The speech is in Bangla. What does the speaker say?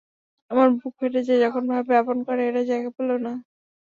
আমার বুক ফেটে যায় যখন ভাবি আপন ঘরে এরা জায়গা পেল না।